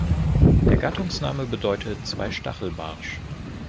Der Gattungsname bedeutet „Zweistachel-Barsch“.